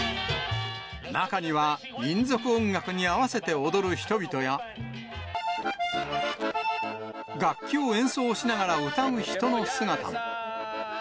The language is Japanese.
中には、民族音楽に合わせて踊る人々や、楽器を演奏しながら歌う人の姿も。